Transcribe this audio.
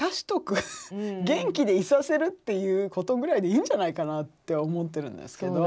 元気でいさせるっていうことぐらいでいいんじゃないかなって思ってるんですけど。